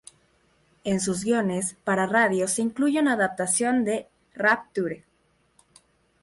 En sus guiones para radio se incluye una adaptación de "Rapture".